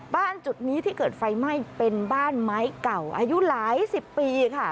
จุดนี้ที่เกิดไฟไหม้เป็นบ้านไม้เก่าอายุหลายสิบปีค่ะ